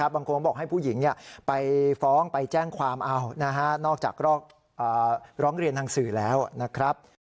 บางคนบอกให้ผู้หญิงไปฟ้องไปแจ้งความเอานอกจากร้องเรียนทางสื่อแล้วนะครับ